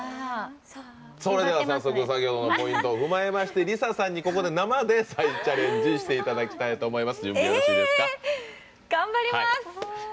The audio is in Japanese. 先ほどのポイントを踏まえましてＬｉＳＡさんに生で再チャレンジしていただきたいと思います。